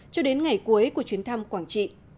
cho đến ngày cuối của chuyến thăm quảng trị